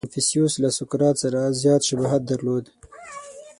• کنفوسیوس له سوکرات سره زیات شباهت درلود.